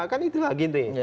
kan itu lagi nih